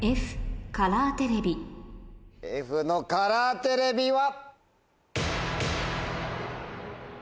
Ｆのカラーテレビは？